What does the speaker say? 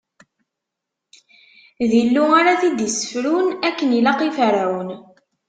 D Illu ara t-id-issefrun akken ilaq i Ferɛun.